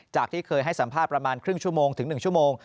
ที่เคยให้สัมภาษณ์ประมาณครึ่งชั่วโมงถึง๑ชั่วโมง